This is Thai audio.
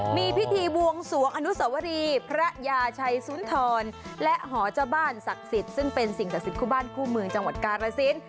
มีพิธีบวงสวงอนุสวรีพระยาชัยสุนทรและหอเจ้าบ้านศักดิ์สิทธิ์ซึ่งเป็นสิ่งศักดิ์สิทธิคู่บ้านคู่เมืองจังหวัดกาลสิน